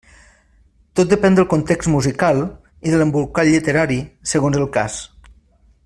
Tot depèn del context musical, i de l'embolcall literari, segons el cas.